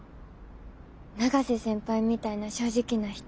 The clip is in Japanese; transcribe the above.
永瀬先輩みたいな正直な人